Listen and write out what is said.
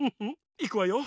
いくわよ。